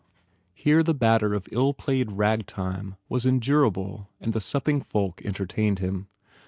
Here the batter of ill played ragtime was endurable and the supping folk entertained him.